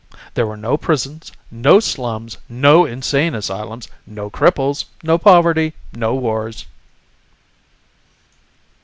There were no prisons, no slums, no insane asylums, no cripples, no poverty, no wars.